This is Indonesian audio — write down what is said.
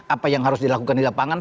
apa yang harus dilakukan di lapangan